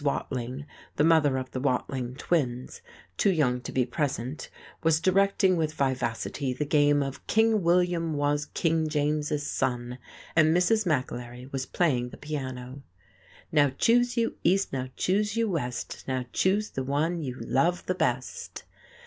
Watling, the mother of the Watling twins too young to be present was directing with vivacity the game of "King William was King James's son," and Mrs. McAlery was playing the piano. "Now choose you East, now choose you West, Now choose the one you love the best!"